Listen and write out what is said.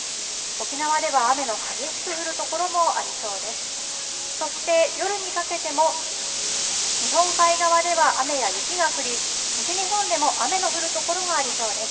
沖縄では雨の激しく降る所もありそうです。